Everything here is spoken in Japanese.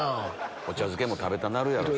お茶漬けも食べたなるやろうし。